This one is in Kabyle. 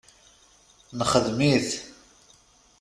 Nexdem-it.